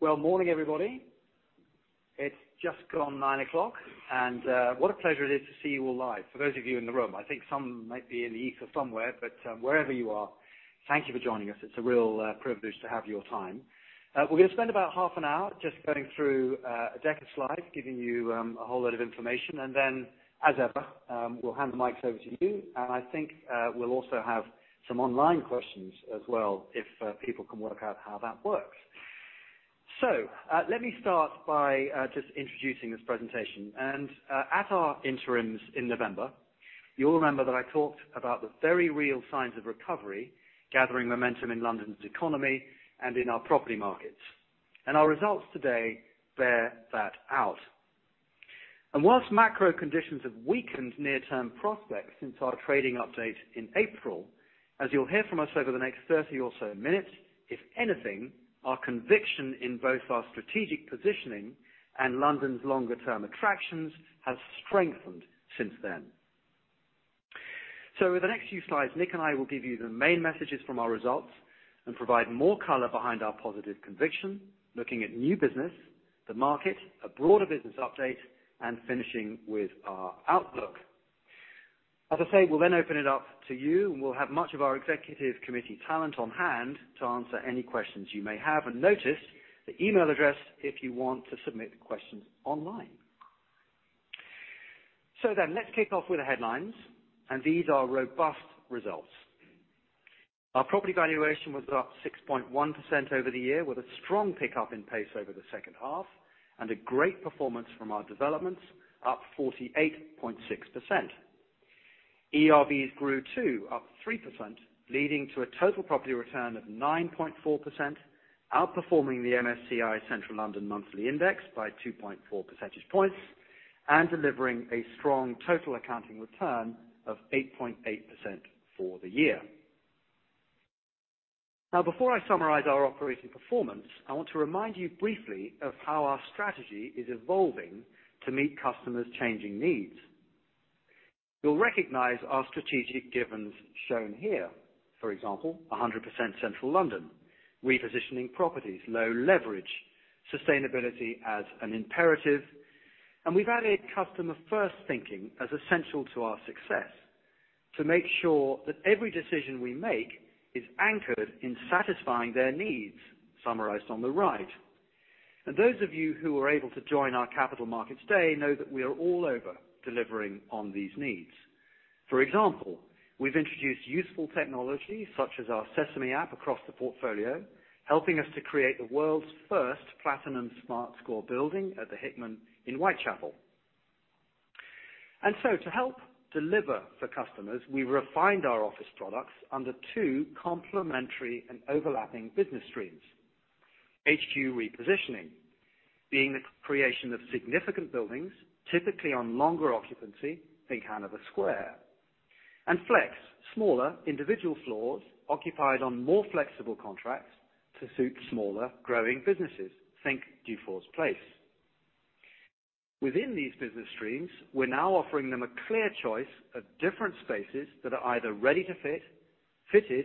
Well, morning, everybody. It's just gone 9:00 A.M., and what a pleasure it is to see you all live. For those of you in the room, I think some might be in the ether somewhere, but wherever you are, thank you for joining us. It's a real privilege to have your time. We're gonna spend about half an hour just going through a deck of slides, giving you a whole load of information. Then, as ever, we'll hand the mics over to you, and I think we'll also have some online questions as well, if people can work out how that works. Let me start by just introducing this presentation. At our interims in November, you all remember that I talked about the very real signs of recovery, gathering momentum in London's economy and in our property markets. Our results today bear that out. While macro conditions have weakened near-term prospects since our trading update in April, as you'll hear from us over the next 30 or so minutes, if anything, our conviction in both our strategic positioning and London's longer term attractions has strengthened since then. In the next few slides, Nick and I will give you the main messages from our results and provide more color behind our positive conviction, looking at new business, the market, a broader business update, and finishing with our outlook. As I say, we'll then open it up to you, and we'll have much of our executive committee talent on hand to answer any questions you may have. Notice the email address if you want to submit the questions online. Let's kick off with the headlines, and these are robust results. Our property valuation was up 6.1% over the year, with a strong pickup in pace over the second half, and a great performance from our developments, up 48.6%. ERVs grew too, up 3%, leading to a total property return of 9.4%, outperforming the MSCI Central London Monthly Index by 2.4 percentage points and delivering a strong total accounting return of 8.8% for the year. Now, before I summarize our operating performance, I want to remind you briefly of how our strategy is evolving to meet customers' changing needs. You'll recognize our strategic givens shown here. For example, 100% Central London, repositioning properties, low leverage, sustainability as an imperative. We value customer-first thinking as essential to our success to make sure that every decision we make is anchored in satisfying their needs, summarized on the right. Those of you who were able to join our capital markets day know that we are all over delivering on these needs. For example, we've introduced useful technology, such as our Sesame app, across the portfolio, helping us to create the world's first platinum SmartScore building at The Hickman in Whitechapel. To help deliver for customers, we refined our office products under two complementary and overlapping business streams. HQ repositioning, being the creation of significant buildings, typically on longer occupancy, think Hanover Square. Flex, smaller individual floors occupied on more flexible contracts to suit smaller growing businesses, think Dufour's Place. Within these business streams, we're now offering them a clear choice of different spaces that are either ready to fit, fitted,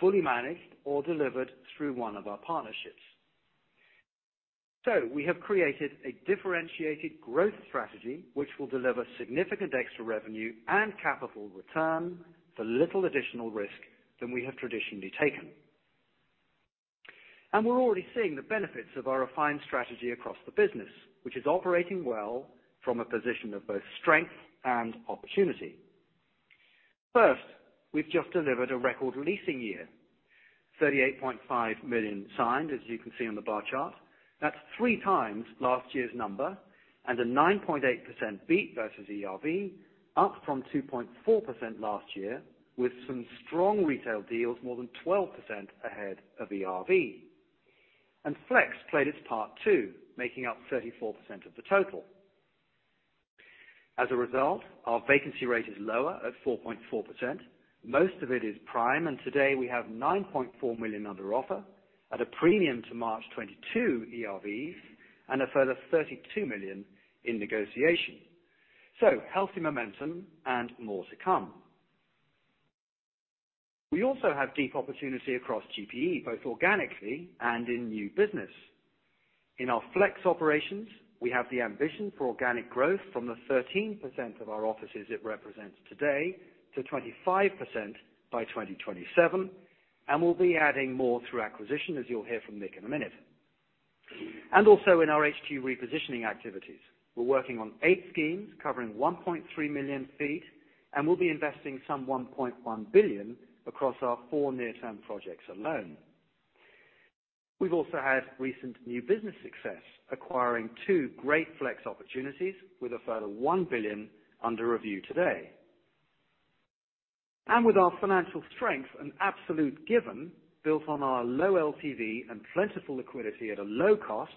Fully Managed, or delivered through one of our partnerships. We have created a differentiated growth strategy which will deliver significant extra revenue and capital return for little additional risk than we have traditionally taken. We're already seeing the benefits of our refined strategy across the business, which is operating well from a position of both strength and opportunity. First, we've just delivered a record leasing year. 38.5 million signed, as you can see on the bar chart. That's 3 times last year's number and a 9.8% beat versus ERV, up from 2.4% last year, with some strong retail deals, more than 12 ahead of ERV. Flex played its part too, making up 34% of the total. As a result, our vacancy rate is lower at 4.4%. Most of it is prime, and today we have 9.4 million under offer at a premium to March 2022 ERV and a further 32 million in negotiation. Healthy momentum and more to come. We also have deep opportunity across GPE, both organically and in new business. In our flex operations, we have the ambition for organic growth from the 13% of our offices it represents today to 25% by 2027, and we'll be adding more through acquisition, as you'll hear from Nick in a minute. Also in our HQ repositioning activities, we're working on 8 schemes covering 1.3 million sq ft, and we'll be investing some 1.1 billion across our four near-term projects alone. We've also had recent new business success, acquiring two great Flex opportunities with a further 1 billion under review today. With our financial strength and absolute given, built on our low LTV and plentiful liquidity at a low cost,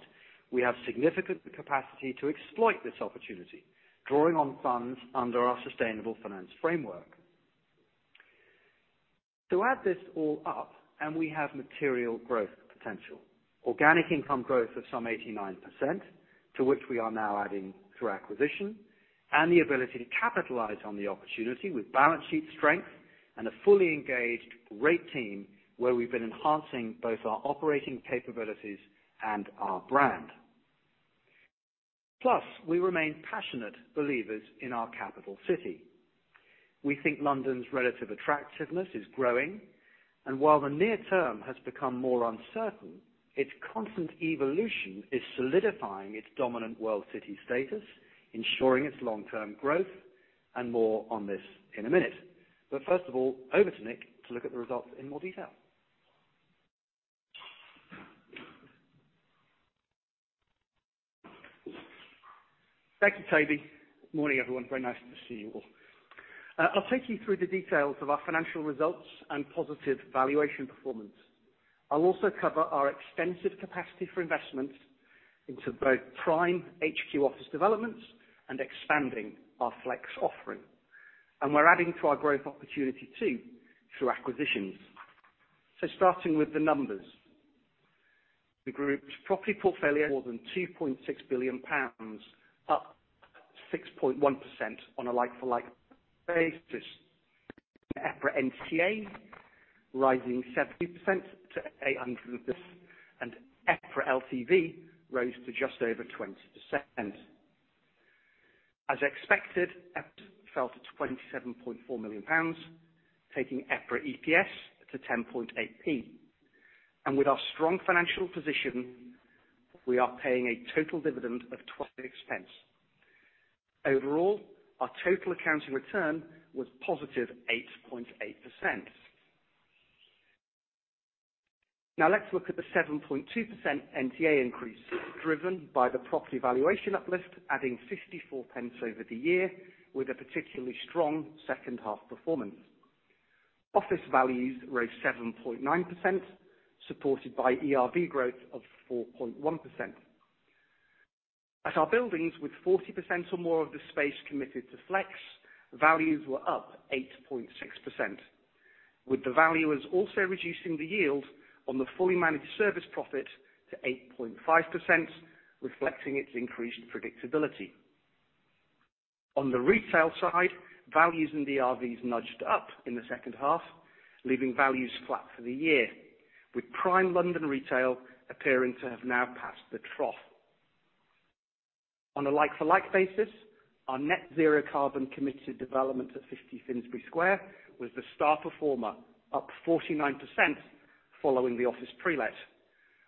we have significant capacity to exploit this opportunity, drawing on funds under our sustainable finance framework. To add this all up, we have material growth potential. Organic income growth of some 89%. To which we are now adding through acquisition and the ability to capitalize on the opportunity with balance sheet strength and a fully engaged real estate team where we've been enhancing both our operating capabilities and our brand. Plus, we remain passionate believers in our capital city. We think London's relative attractiveness is growing, and while the near term has become more uncertain, its constant evolution is solidifying its dominant world city status, ensuring its long-term growth, and more on this in a minute. First of all, over to Nick to look at the results in more detail. Thank you, Toby. Morning, everyone. Very nice to see you all. I'll take you through the details of our financial results and positive valuation performance. I'll also cover our extensive capacity for investment into both prime HQ office developments and expanding our flex offering. We're adding to our growth opportunity too through acquisitions. Starting with the numbers. The group's property portfolio, more than 2.6 billion pounds, up 6.1% on a like-for-like basis. EPRA NTA rising 70% to 850 million, and EPRA LTV rose to just over 20%. As expected, EPRA fell to 27.4 million pounds, taking EPRA EPS to 10.8p. With our strong financial position, we are paying a total dividend of 12p. Overall, our total accounting return was positive 8.8%. Now, let's look at the 7.2% NTA increase driven by the property valuation uplift, adding 0.54 over the year with a particularly strong second half performance. Office values rose 7.9%, supported by ERV growth of 4.1%. At our buildings, with 40% or more of the space committed to Flex, values were up 8.6%, with the valuers also reducing the yield on the Fully Managed service profit to 8.5%, reflecting its increased predictability. On the retail side, values in the ERVs nudged up in the second half, leaving values flat for the year, with prime London retail appearing to have now passed the trough. On a like-for-like basis, our net zero carbon committed development at 50 Finsbury Square was the star performer, up 49% following the office pre-let,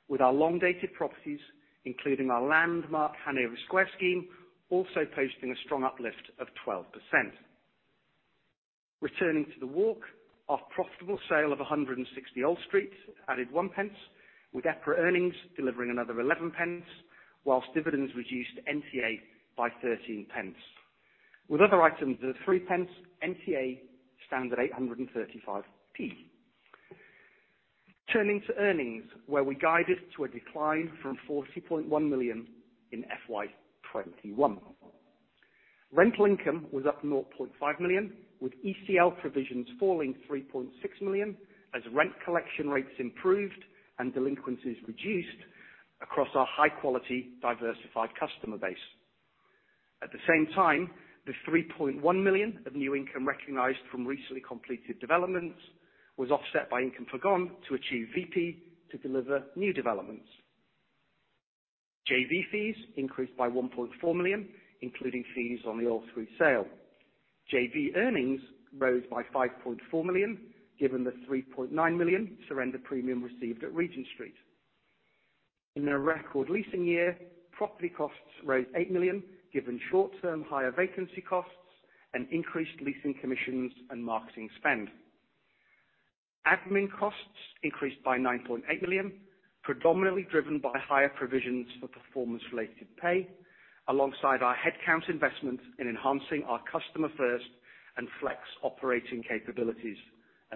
with our long-dated properties, including our landmark Hanover Square scheme, also posting a strong uplift of 12%. Returning to the walk, our profitable sale of 160 Old Street added 1p, with EPRA earnings delivering another 11p, while dividends reduced NTA by 13p. With other items at 3p, NTA stands at 835p. Turning to earnings, where we guided to a decline from 40.1 million in FY 2021. Rental income was up 0.5 million, with ECL provisions falling 3.6 million as rent collection rates improved and delinquencies reduced across our high-quality, diversified customer base. At the same time, the 3.1 million of new income recognized from recently completed developments was offset by income forgone to achieve VP to deliver new developments. JV fees increased by 1.4 million, including fees on the Old Street sale. JV earnings rose by 5.4 million, given the 3.9 million surrender premium received at Regent Street. In a record leasing year, property costs rose 8 million, given short-term higher vacancy costs and increased leasing commissions and marketing spend. Admin costs increased by 9.8 million, predominantly driven by higher provisions for performance-related pay, alongside our headcount investment in enhancing our customer first and flex operating capabilities.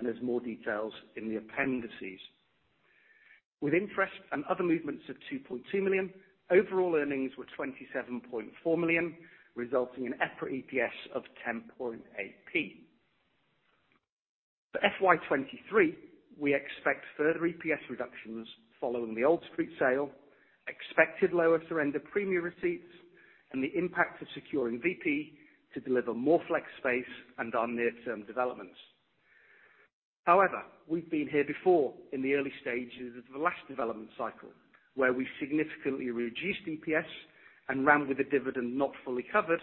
There's more details in the appendices. With interest and other movements of 2.2 million, overall earnings were 27.4 million, resulting in EPRA EPS of 10.8p. For FY 2023, we expect further EPS reductions following the Old Street sale, expected lower surrender premium receipts, and the impact of securing VP to deliver more flex space and our near-term developments. However, we've been here before in the early stages of the last development cycle, where we significantly reduced EPS and ran with the dividend not fully covered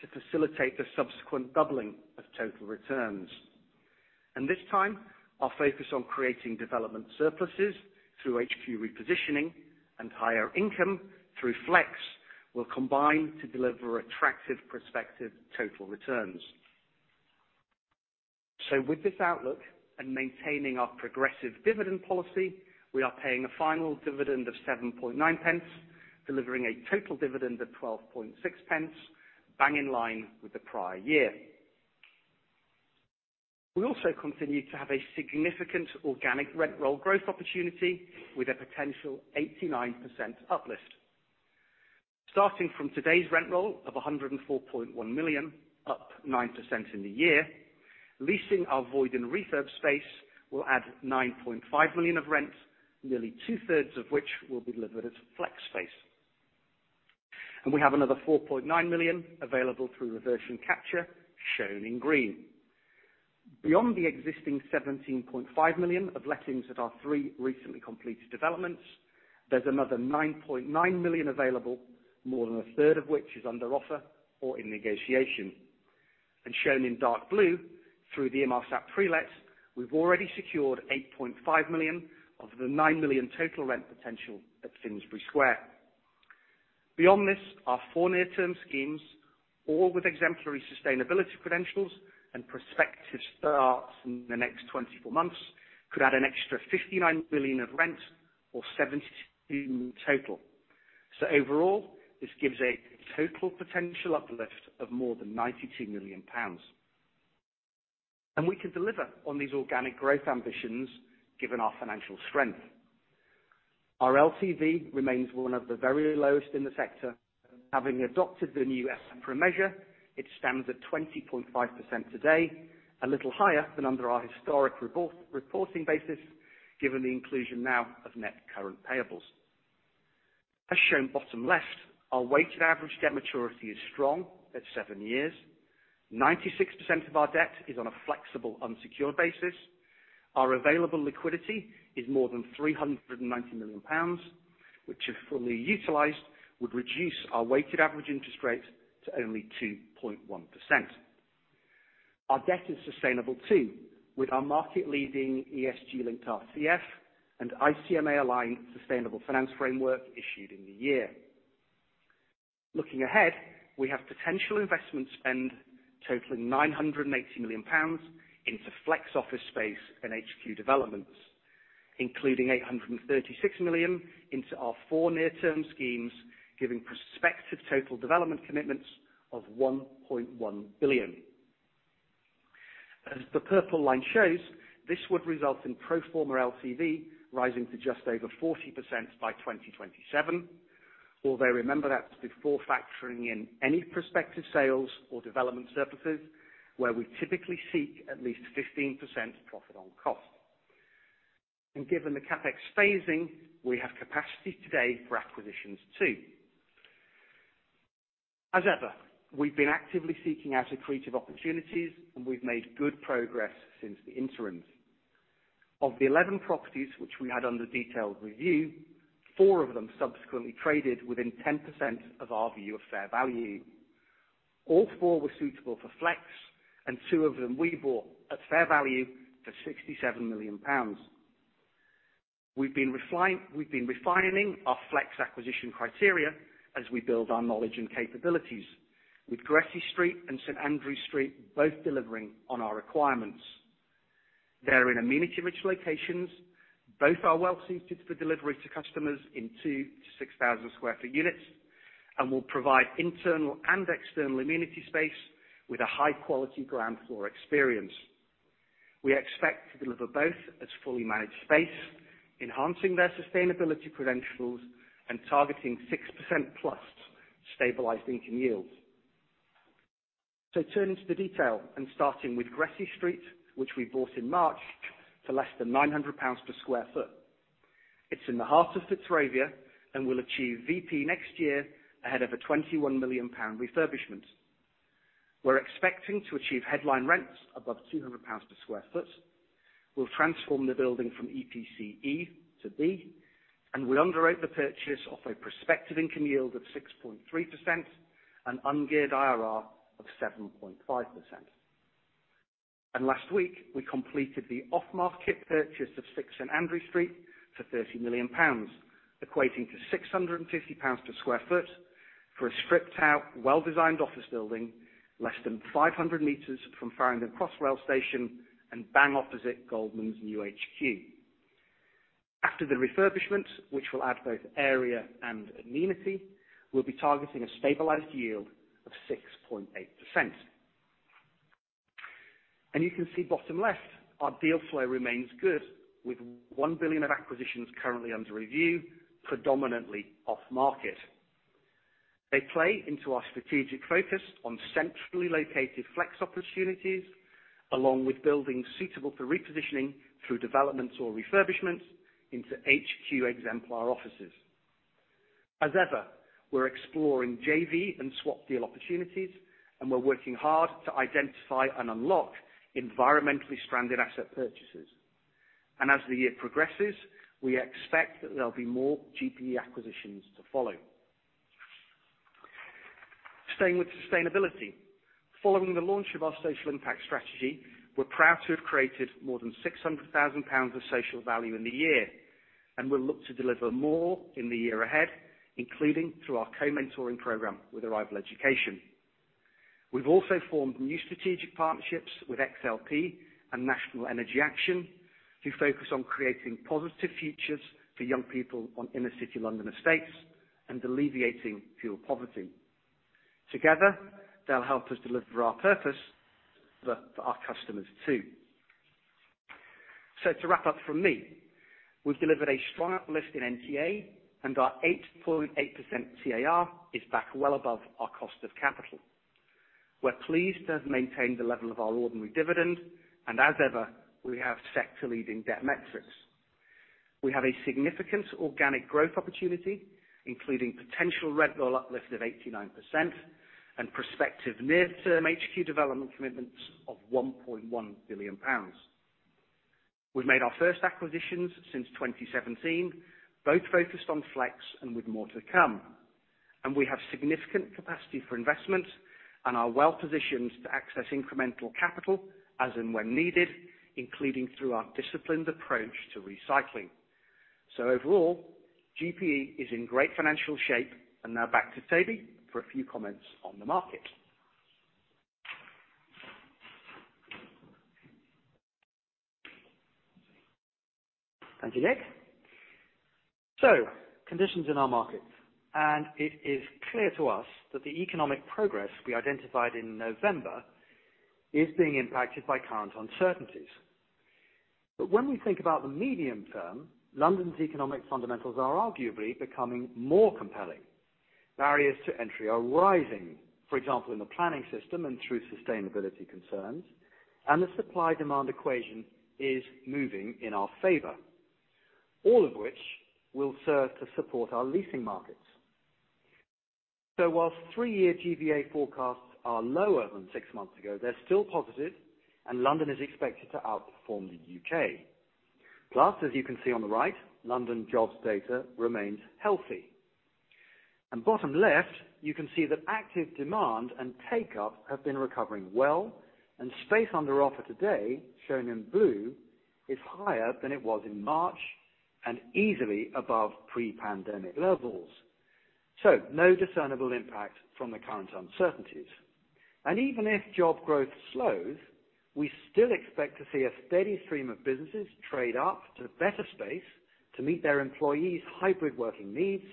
to facilitate the subsequent doubling of total returns. This time, our focus on creating development surpluses through HQ repositioning and higher income through flex will combine to deliver attractive prospective total returns. With this outlook and maintaining our progressive dividend policy, we are paying a final dividend of 0.079, delivering a total dividend of 0.126, bang in line with the prior year. We also continue to have a significant organic rent roll growth opportunity with a potential 89% uplift. Starting from today's rent roll of 104.1 million, up 9% in the year. Leasing our void in refurb space will add 9.5 million of rent, nearly two-thirds of which will be delivered as Flex space. We have another 4.9 million available through reversion capture, shown in green. Beyond the existing 17.5 million of lettings at our three recently completed developments, there's another 9.9 million available, more than a third of which is under offer or in negotiation. Shown in dark blue through the MRSAP pre-lets, we've already secured 8.5 million of the 9 million total rent potential at Finsbury Square. Beyond this, our four near-term schemes, all with exemplary sustainability credentials and prospective starts in the next 24 months, could add an extra 59 million of rent or 72 million in total. Overall, this gives a total potential uplift of more than 92 million pounds. We can deliver on these organic growth ambitions given our financial strength. Our LTV remains one of the very lowest in the sector. Having adopted the new SFP measure, it stands at 20.5% today, a little higher than under our historic reporting basis, given the inclusion now of net current payables. As shown bottom left, our weighted average debt maturity is strong at seven years. 96% of our debt is on a flexible unsecured basis. Our available liquidity is more than 390 million pounds, which, if fully utilized, would reduce our weighted average interest rate to only 2.1%. Our debt is sustainable too, with our market-leading ESG-linked RCF and ICMA-aligned sustainable finance framework issued in the year. Looking ahead, we have potential investment spend totaling GBP 980 million into Flex office space and HQ developments, including GBP 836 million into our 4 near-term schemes, giving prospective total development commitments of 1.1 billion. As the purple line shows, this would result in pro forma LTV rising to just over 40% by 2027. Although remember, that's before factoring in any prospective sales or development surpluses, where we typically seek at least 15% profit on cost. Given the CapEx phasing, we have capacity today for acquisitions too. As ever, we've been actively seeking out accretive opportunities, and we've made good progress since the interim. Of the 11 properties which we had under detailed review, 4 of them subsequently traded within 10% of our view of fair value. All four were suitable for Flex, and two of them we bought at fair value for 67 million pounds. We've been refining our Flex acquisition criteria as we build our knowledge and capabilities with Gresse Street and St. Andrew Street both delivering on our requirements. They're in amenity-rich locations. Both are well suited for delivery to customers in 2,000-6,000 sq ft units and will provide internal and external amenity space with a high-quality ground floor experience. We expect to deliver both as Fully Managed space, enhancing their sustainability credentials and targeting 6%+ stabilized income yields. Turning to the detail and starting with Gresse Street, which we bought in March for less than 900 pounds per sq ft. It's in the heart of Fitzrovia and will achieve VP next year ahead of a 21 million pound refurbishment. We're expecting to achieve headline rents above 200 pounds per sq ft. We'll transform the building from EPC E to B, and we underwrite the purchase of a prospective income yield of 6.3% and ungeared IRR of 7.5%. Last week, we completed the off-market purchase of Six St. Andrew Street for 30 million pounds, equating to 650 pounds per sq ft for a stripped-out, well-designed office building less than 500 meters from Farringdon Crossrail station and bang opposite Goldman Sachs's new HQ. After the refurbishment, which will add both area and amenity, we'll be targeting a stabilized yield of 6.8%. You can see bottom left, our deal flow remains good with 1 billion of acquisitions currently under review, predominantly off market. They play into our strategic focus on centrally located Flex opportunities, along with buildings suitable for repositioning through developments or refurbishments into HQ exemplar offices. As ever, we're exploring JV and swap deal opportunities, and we're working hard to identify and unlock environmentally stranded asset purchases. As the year progresses, we expect that there'll be more GP acquisitions to follow. Staying with sustainability, following the launch of our social impact strategy, we're proud to have created more than 600,000 pounds of social value in the year, and we'll look to deliver more in the year ahead, including through our co-mentoring program with Arrival Education. We've also formed new strategic partnerships with XLP and National Energy Action, to focus on creating positive futures for young people on inner-city London estates and alleviating fuel poverty. Together, they'll help us deliver our purpose for our customers too. To wrap up from me, we've delivered a strong uplift in NTA and our 8.8% TAR is back well above our cost of capital. We're pleased to have maintained the level of our ordinary dividend, and as ever, we have sector-leading debt metrics. We have a significant organic growth opportunity, including potential rental uplift of 89% and prospective near-term HQ development commitments of 1.1 billion pounds. We've made our first acquisitions since 2017, both focused on flex and with more to come. We have significant capacity for investment and are well positioned to access incremental capital as and when needed, including through our disciplined approach to recycling. Overall, GPE is in great financial shape. Now back to Toby for a few comments on the market. Thank you, Nick. Conditions in our markets, and it is clear to us that the economic progress we identified in November is being impacted by current uncertainties. When we think about the medium term, London's economic fundamentals are arguably becoming more compelling. Barriers to entry are rising, for example, in the planning system and through sustainability concerns, and the supply-demand equation is moving in our favor, all of which will serve to support our leasing markets. While three-year GVA forecasts are lower than six months ago, they're still positive, and London is expected to outperform the UK. Plus, as you can see on the right, London jobs data remains healthy. Bottom left, you can see that active demand and take-up have been recovering well, and space under offer today, shown in blue, is higher than it was in March and easily above pre-pandemic levels. No discernible impact from the current uncertainties. Even if job growth slows, we still expect to see a steady stream of businesses trade up to better space to meet their employees' hybrid working needs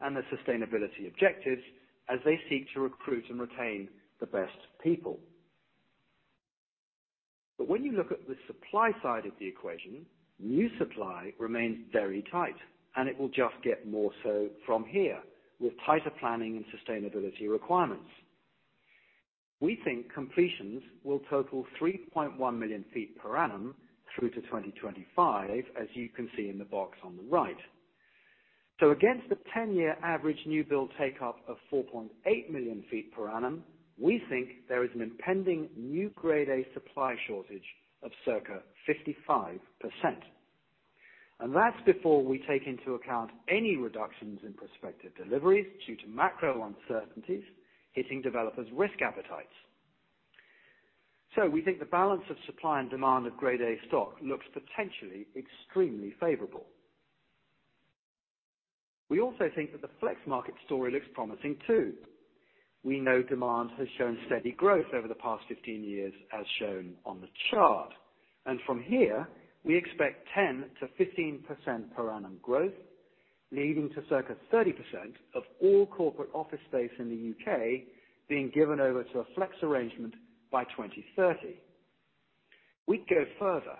and their sustainability objectives as they seek to recruit and retain the best people. When you look at the supply side of the equation, new supply remains very tight, and it will just get more so from here with tighter planning and sustainability requirements. We think completions will total 3.1 million sq ft per annum through to 2025, as you can see in the box on the right. Against the ten-year average new build take-up of 4.8 million sq ft per annum, we think there is an impending new grade A supply shortage of circa 55%. That's before we take into account any reductions in prospective deliveries due to macro uncertainties hitting developers' risk appetites. We think the balance of supply and demand of grade A stock looks potentially extremely favorable. We also think that the Flex market story looks promising too. We know demand has shown steady growth over the past 15 years, as shown on the chart. From here, we expect 10%-15% per annum growth, leading to circa 30% of all corporate office space in the UK being given over to a Flex arrangement by 2030. We'd go further.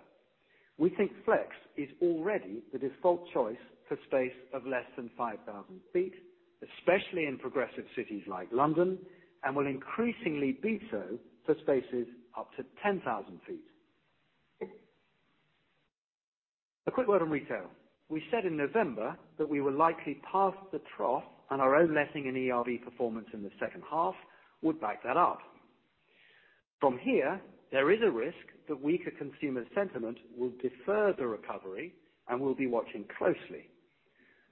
We think Flex is already the default choice for space of less than 5,000 sq ft, especially in progressive cities like London, and will increasingly be so for spaces up to 10,000 sq ft. A quick word on retail. We said in November that we were likely past the trough and our own letting and ERV performance in the second half would back that up. From here, there is a risk that weaker consumer sentiment will defer the recovery, and we'll be watching closely.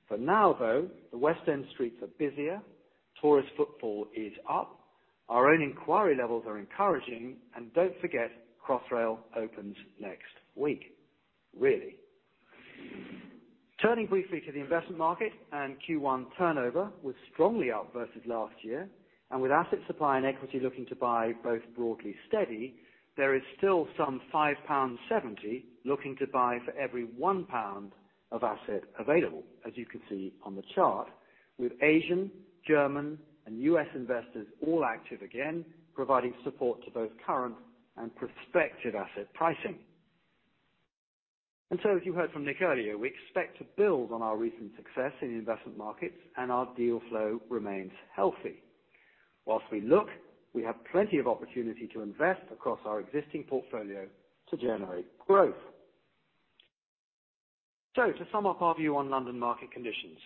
For now, though, the West End streets are busier, tourist footfall is up, our own inquiry levels are encouraging, and don't forget, Crossrail opens next week. Really. Turning briefly to the investment market and Q1 turnover was strongly up versus last year. With asset supply and equity looking to buy both broadly steady, there is still some 5.70 pound looking to buy for every 1 pound of asset available, as you can see on the chart. With Asian, German, and U.S. investors all active again, providing support to both current and prospective asset pricing. As you heard from Nick earlier, we expect to build on our recent success in investment markets and our deal flow remains healthy. While we look, we have plenty of opportunity to invest across our existing portfolio to generate growth. To sum up our view on London market conditions,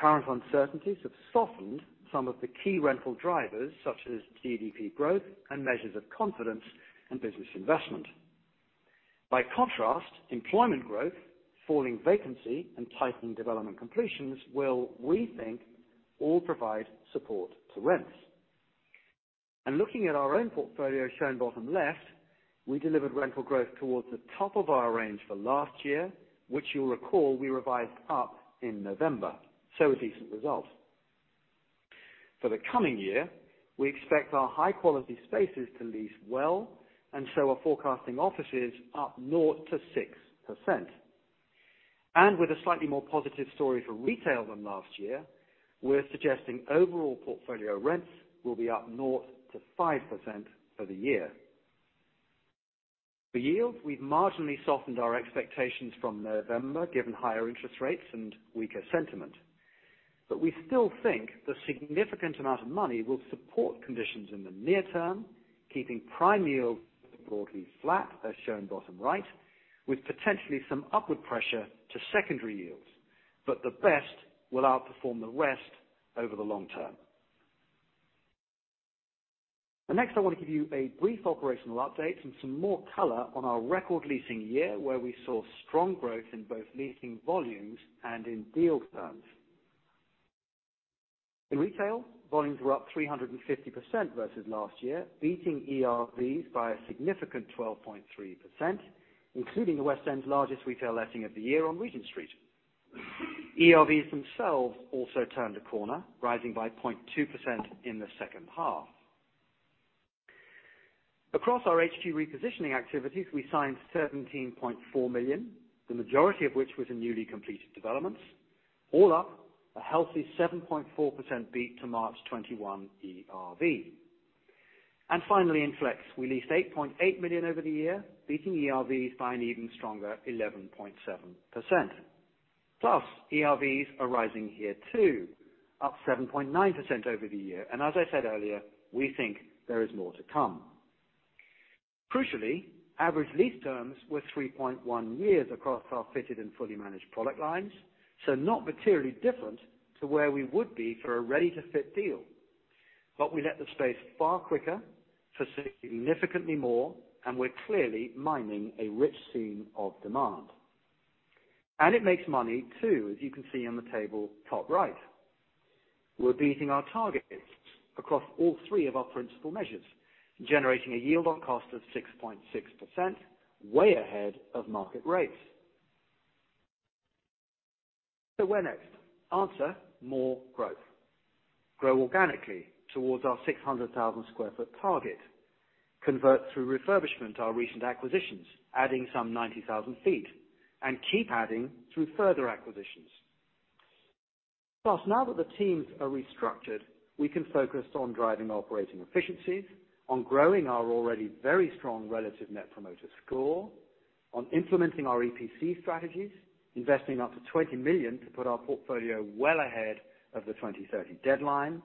current uncertainties have softened some of the key rental drivers such as GDP growth and measures of confidence in business investment. By contrast, employment growth, falling vacancy and tightening development completions will, we think, all provide support to rents. Looking at our own portfolio shown bottom left, we delivered rental growth towards the top of our range for last year, which you'll recall we revised up in November. A decent result. For the coming year, we expect our high-quality spaces to lease well and so are forecasting offices up 0%-6%. With a slightly more positive story for retail than last year, we're suggesting overall portfolio rents will be up 0%-5% for the year. For yields, we've marginally softened our expectations from November, given higher interest rates and weaker sentiment. We still think the significant amount of money will support conditions in the near term, keeping prime yields broadly flat, as shown bottom right, with potentially some upward pressure to secondary yields. The best will outperform the rest over the long term. Next, I want to give you a brief operational update and some more color on our record leasing year, where we saw strong growth in both leasing volumes and in deal terms. In retail, volumes were up 350% versus last year, beating ERVs by a significant 12.3%, including the West End's largest retail letting of the year on Regent Street. ERVs themselves also turned a corner, rising by 0.2% in the second half. Across our HQ repositioning activities, we signed 17.4 million, the majority of which was in newly completed developments, all up a healthy 7.4% beat to March 2021 ERV. Finally, in Flex, we leased 8.8 million over the year, beating ERVs by an even stronger 11.7%. Plus, ERVs are rising here too, up 7.9% over the year. As I said earlier, we think there is more to come. Crucially, average lease terms were 3.1 years across our fitted and Fully Managed product lines, so not materially different to where we would be for a ready-to-fit deal. We let the space far quicker for significantly more, and we're clearly mining a rich seam of demand. It makes money too, as you can see on the table top right. We're beating our targets across all three of our principal measures, generating a yield on cost of 6.6%, way ahead of market rates. Where next? Answer, more growth. Grow organically towards our 600,000 sq ft target. Convert through refurbishment our recent acquisitions, adding some 90,000 sq ft, and keep adding through further acquisitions. Now that the teams are restructured, we can focus on driving operating efficiencies, on growing our already very strong relative Net Promoter Score, on implementing our EPC strategies, investing up to 20 million to put our portfolio well ahead of the 2030 deadline.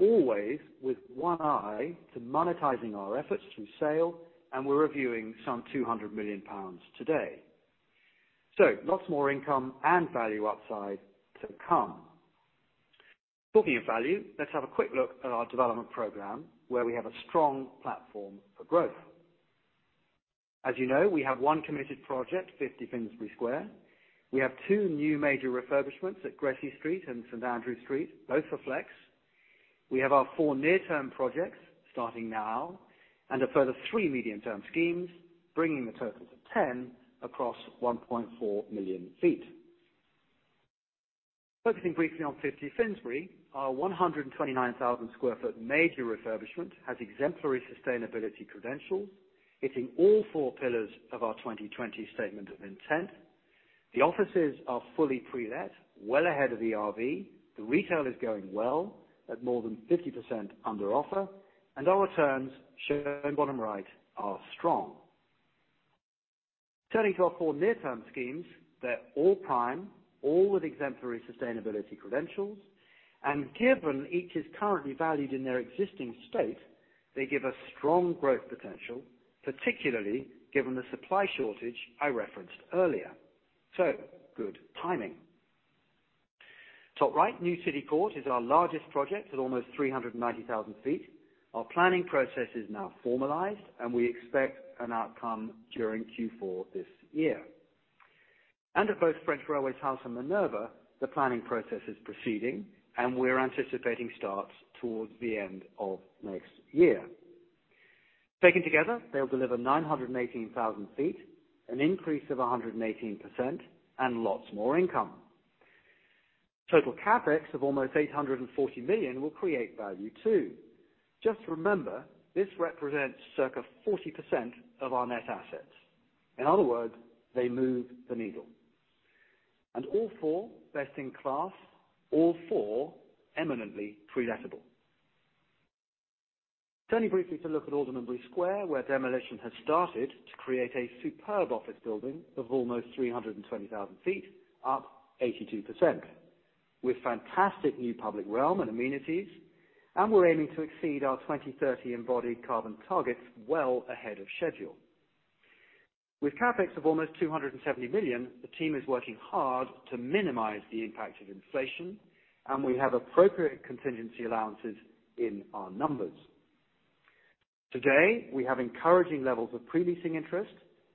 Always with one eye to monetizing our efforts through sale, and we're reviewing some 200 million pounds today. Lots more income and value upside to come. Talking of value, let's have a quick look at our development program, where we have a strong platform for growth. As you know, we have 1 committed project, 50 Finsbury Square. We have 2 new major refurbishments at Gresse Street and St. Andrew Street, both for Flex. We have our 4 near-term projects starting now, and a further 3 medium-term schemes, bringing the total to 10 across 1.4 million sq ft. Focusing briefly on 50 Finsbury, our 129,000 sq ft major refurbishment has exemplary sustainability credentials, hitting all 4 pillars of our 2020 statement of intent. The offices are fully pre-let, well ahead of ERV. The retail is going well at more than 50% under offer, and our returns, shown bottom right, are strong. Turning to our 4 near-term schemes, they're all prime, all with exemplary sustainability credentials. Given each is currently valued in their existing state, they give us strong growth potential, particularly given the supply shortage I referenced earlier. Good timing. Top right, New City Court is our largest project at almost 390,000 sq ft. Our planning process is now formalized, and we expect an outcome during Q4 this year. At both French Railways House and Minerva House, the planning process is proceeding, and we're anticipating start towards the end of next year. Taken together, they'll deliver 918,000 sq ft, an increase of 118%, and lots more income. Total CapEx of almost 840 million will create value too. Just remember, this represents circa 40% of our net assets. In other words, they move the needle. All four best in class, all four eminently pre-lettable. Turning briefly to look at Aldermanbury Square, where demolition has started to create a superb office building of almost 320,000 sq ft, up 82%, with fantastic new public realm and amenities. We're aiming to exceed our 2030 embodied carbon targets well ahead of schedule. With CapEx of almost 270 million, the team is working hard to minimize the impact of inflation, and we have appropriate contingency allowances in our numbers. Today, we have encouraging levels of pre-leasing interest,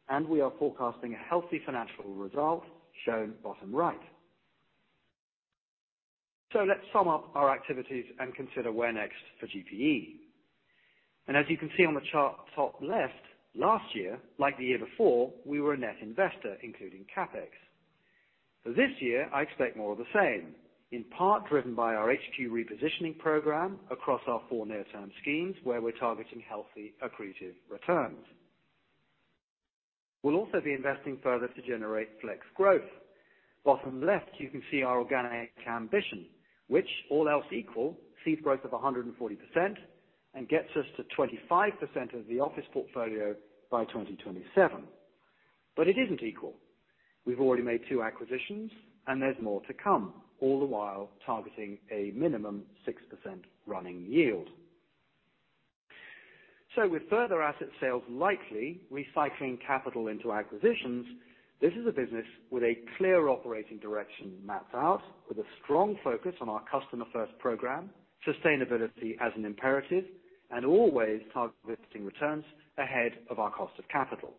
and we are forecasting a healthy financial result shown bottom right. Let's sum up our activities and consider where next for GPE. As you can see on the chart, top left, last year, like the year before, we were a net investor, including CapEx. For this year, I expect more of the same. In part driven by our HQ repositioning program across our four near-term schemes where we're targeting healthy accretive returns. We'll also be investing further to generate flex growth. Bottom left, you can see our organic ambition, which all else equal, sees growth of 140% and gets us to 25% of the office portfolio by 2027. It isn't equal. We've already made two acquisitions, and there's more to come, all the while targeting a minimum 6% running yield. With further asset sales likely, recycling capital into acquisitions, this is a business with a clear operating direction mapped out with a strong focus on our customer-first program, sustainability as an imperative, and always targeting returns ahead of our cost of capital.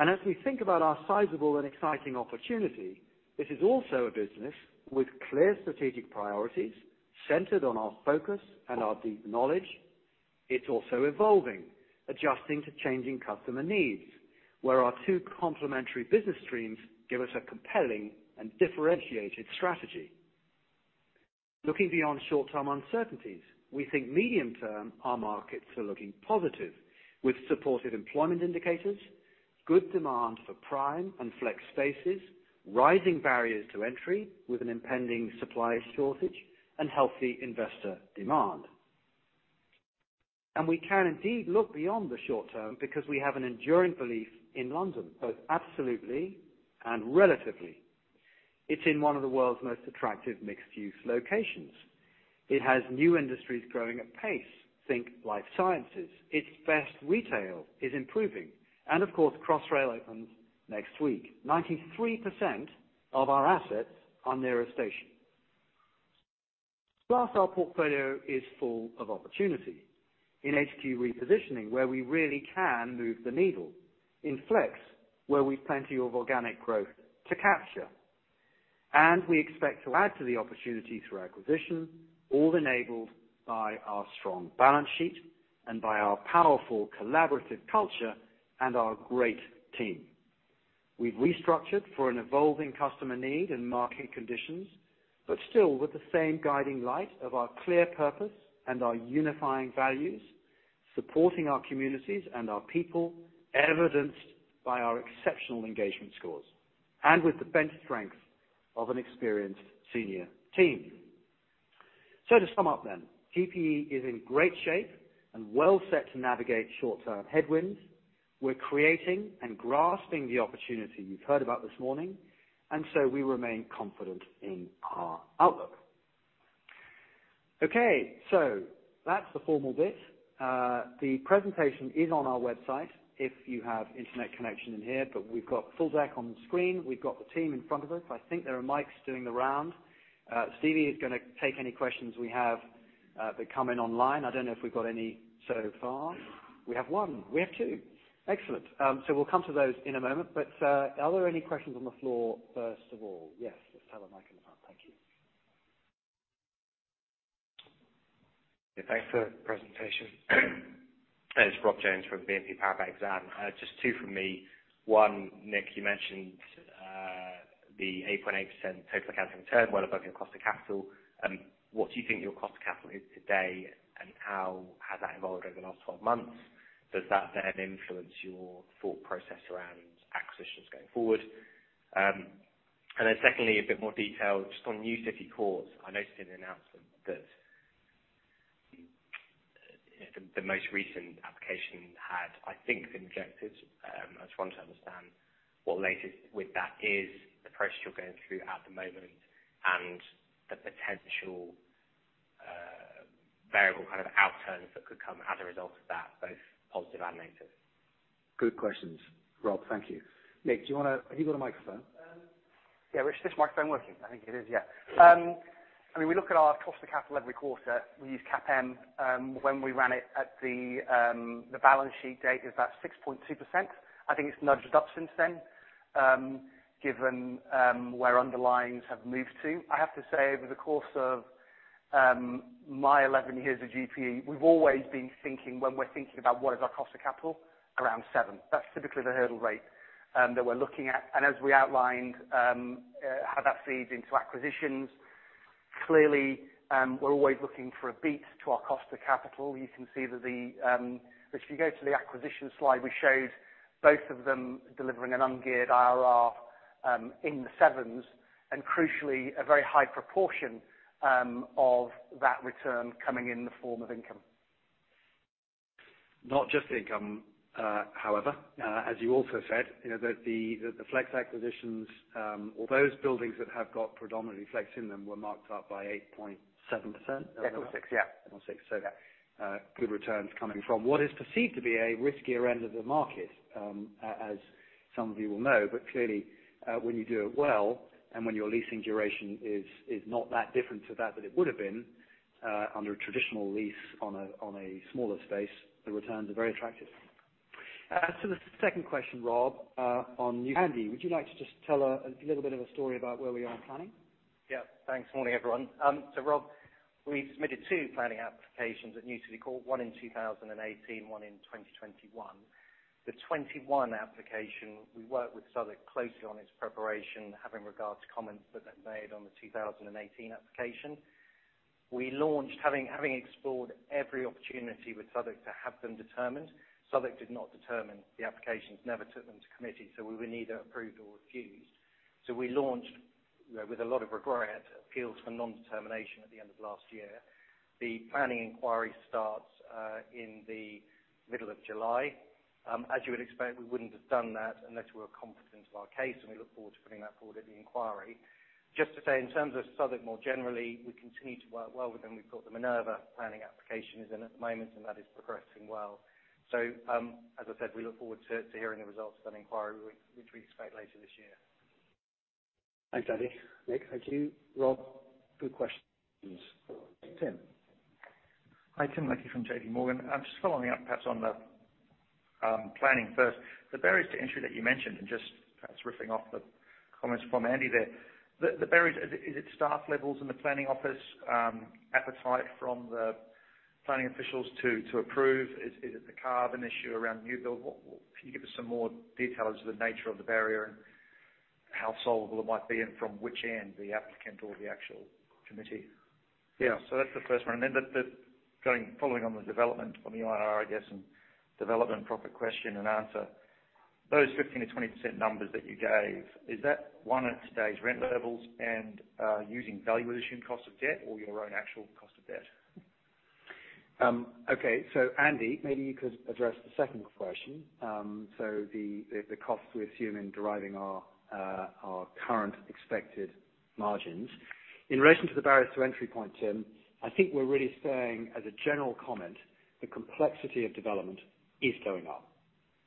As we think about our sizable and exciting opportunity, this is also a business with clear strategic priorities centered on our focus and our deep knowledge. It's also evolving, adjusting to changing customer needs, where our two complementary business streams give us a compelling and differentiated strategy. Looking beyond short-term uncertainties, we think medium-term, our markets are looking positive, with supportive employment indicators, good demand for prime and flex spaces, rising barriers to entry with an impending supply shortage, and healthy investor demand. We can indeed look beyond the short term because we have an enduring belief in London, both absolutely and relatively. It's in one of the world's most attractive mixed-use locations. It has new industries growing at pace. Think life sciences. Its best retail is improving. Of course, Crossrail opens next week. 93% of our assets are near a station. Plus, our portfolio is full of opportunity in HQ repositioning, where we really can move the needle. In flex, where we've plenty of organic growth to capture. We expect to add to the opportunity through acquisition, all enabled by our strong balance sheet and by our powerful collaborative culture and our great team. We've restructured for an evolving customer need and market conditions, but still with the same guiding light of our clear purpose and our unifying values, supporting our communities and our people, evidenced by our exceptional engagement scores, and with the bench strength of an experienced senior team. To sum up then, GPE is in great shape and well set to navigate short-term headwinds. We're creating and grasping the opportunity you've heard about this morning, and so we remain confident in our outlook. Okay, so that's the formal bit. The presentation is on our website if you have internet connection in here, but we've got full deck on screen. We've got the team in front of us. I think there are mics doing the round. Stevie is gonna take any questions we have that come in online. I don't know if we've got any so far. We have one. We have two. Excellent. We'll come to those in a moment. Are there any questions on the floor first of all? Yes. Let's have a mic in the front. Thank you. Yeah, thanks for the presentation. It's Rob Jones from BNP Paribas Exane. Just two from me. One, Nick, you mentioned the 8.8% total accounting return, well above your cost of capital. What do you think your cost of capital is today, and how has that evolved over the last 12 months? Does that then influence your thought process around acquisitions going forward? And then secondly, a bit more detail, just on New City Courts. I noticed in the announcement that the most recent application had, I think, been rejected. I just wanted to understand what the latest is with that, the process you're going through at the moment and the potential variable kind of outcomes that could come as a result of that, both positive and negative. Good questions, Rob. Thank you. Nick, have you got a microphone? Yeah. Is this microphone working? I think it is, yeah. I mean, we look at our cost of capital every quarter. We use CAPM. When we ran it at the balance sheet date, it was about 6.2%. I think it's nudged up since then, given where underlyings have moved to. I have to say, over the course of my 11 years at GPE, we've always been thinking, when we're thinking about what is our cost of capital, around 7. That's typically the hurdle rate that we're looking at. As we outlined how that feeds into acquisitions, clearly, we're always looking for a beat to our cost of capital. You can see that the, if you go to the acquisition slide we showed, both of them delivering an ungeared IRR, in the sevens, and crucially, a very high proportion, of that return coming in the form of income. Not just the income, however. As you also said, you know, the flex acquisitions, or those buildings that have got predominantly flex in them were marked up by 8.7%. Yeah, 0.6. Yeah. Point 6. Yeah. Good returns coming from what is perceived to be a riskier end of the market, as some of you will know. Clearly, when you do it well, and when your leasing duration is not that different to that than it would've been, under a traditional lease on a smaller space, the returns are very attractive. To the second question, Rob, on New City. Andy, would you like to just tell a little bit of a story about where we are in planning? Yeah. Thanks. Morning, everyone. Rob- We submitted two planning applications at New City Court, one in 2018, one in 2021. The 2021 application, we worked with Southwark closely on its preparation, having regard to comments that they've made on the 2018 application. We launched having explored every opportunity with Southwark to have them determined. Southwark did not determine the applications, never took them to committee, so we were neither approved or refused. We launched with a lot of regret appeals for non-determination at the end of last year. The planning inquiry starts in the middle of July. As you would expect, we wouldn't have done that unless we were confident of our case, and we look forward to putting that forward at the inquiry. Just to say, in terms of Southwark more generally, we continue to work well with them. We've got the Minerva planning application is in at the moment, and that is progressing well. As I said, we look forward to hearing the results of that inquiry, which we expect later this year. Thanks, Andy. Nick. Thank you. Rob, good questions. Tim. Hi, Tim Leckie from J.P. Morgan. I'm just following up perhaps on the planning first. The barriers to entry that you mentioned, and just perhaps riffing off the comments from Andy there, the barriers, is it staff levels in the planning office? Appetite from the planning officials to approve? Is it the carbon issue around new build? Can you give us some more details of the nature of the barrier and how solvable it might be, and from which end, the applicant or the actual committee? Yeah. That's the first one. Following on the development from the IRR, I guess, and development profit question and answer, those 15%-20% numbers that you gave, is that one, at today's rent levels and, using value addition cost of debt or your own actual cost of debt? Okay. Andy, maybe you could address the second question. The cost we assume in deriving our current expected margins. In relation to the barriers to entry point, Tim, I think we're really saying as a general comment, the complexity of development is going up.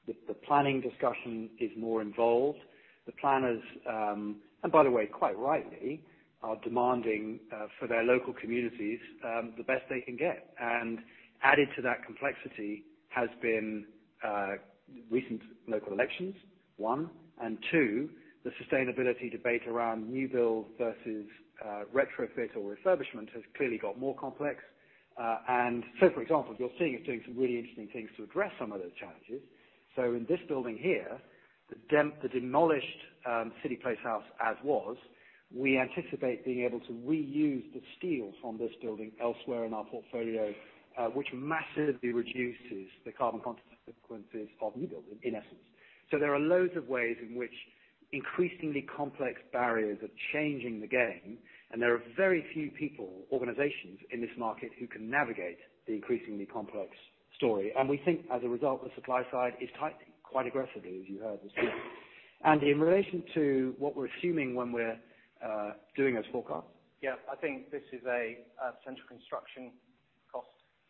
The planning discussion is more involved. The planners, and by the way, quite rightly, are demanding for their local communities the best they can get. Added to that complexity has been recent local elections, one, and two, the sustainability debate around new build versus retrofit or refurbishment has clearly got more complex. For example, you're seeing us doing some really interesting things to address some of those challenges. In this building here, the demolished CityPlace House as was, we anticipate being able to reuse the steel from this building elsewhere in our portfolio, which massively reduces the carbon consequences of new build, in essence. There are loads of ways in which increasingly complex barriers are changing the game, and there are very few people, organizations in this market who can navigate the increasingly complex story. In relation to what we're assuming when we're doing those forecasts. Yeah. I think this is a central construction cost,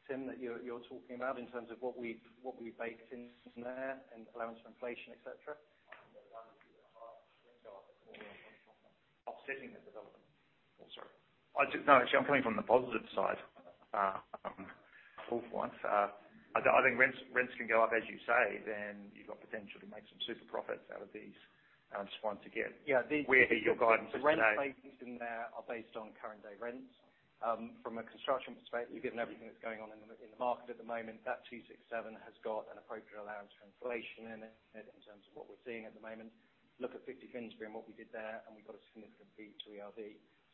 Tim, that you're talking about in terms of what we've baked in there and allowance for inflation, et cetera. Offsetting the development. Oh, sorry. No, actually, I'm coming from the positive side, for once. I think rents can go up, as you say, then you've got potential to make some super profits out of these. I just wanted to get- Yeah. What is your guidance today? The rent bases in there are based on current day rents. From a construction perspective, given everything that's going on in the market at the moment, that 267 has got an appropriate allowance for inflation in it, in terms of what we're seeing at the moment. Look at 50 Finsbury and what we did there, and we got a significant beat to